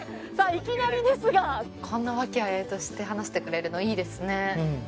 いきなりですがこんな和気あいあいとして話してくれるのいいですね